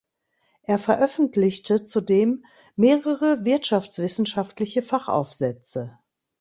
Er veröffentlichte zudem mehrere wirtschaftswissenschaftliche Fachaufsätze.